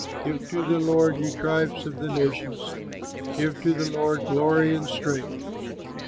Give to the Lord, you tribes of the nations, Give to the Lord glory and strength.